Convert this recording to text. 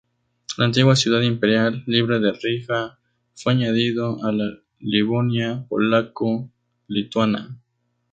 La antigua Ciudad Imperial Libre de Riga fue añadido a la Livonia polaco-lituana.